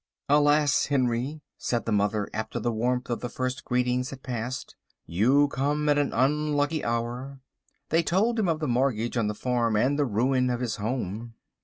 "Alas, Henry," said the mother after the warmth of the first greetings had passed, "you come at an unlucky hour." They told him of the mortgage on the farm and the ruin of his home.